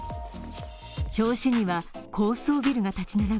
表紙には高層ビルが立ち並ぶ